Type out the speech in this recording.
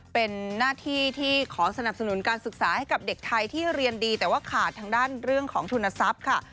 เป็นหน้าที่ที่ขอสนับสนุนการศึกษาให้กับเด็กไทยที่เรียนดีแต่ว่าขาดทางด้านเรื่องของทุนทรัพย์ค่ะ